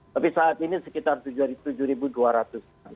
tapi saat ini sekitar tujuh dua ratus an